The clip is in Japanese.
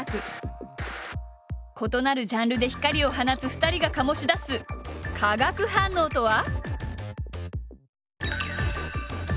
異なるジャンルで光を放つ２人が醸し出す化学反応とは？